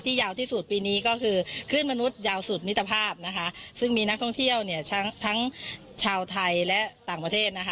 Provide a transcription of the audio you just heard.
ที่ยาวที่สุดปีนี้ก็คือขึ้นมนุษยาวสุดมิตรภาพซึ่งมีนักท่องเที่ยวทั้งชาวไทยและต่างประเทศ